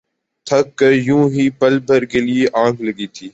تھک کر یوں ہی پل بھر کے لیے آنکھ لگی تھی